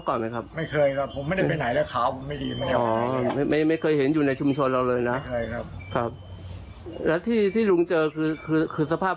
ก็นอนจากแทงเห็นขาข้างข้างเนี่ยก็นอนเสริมะครับ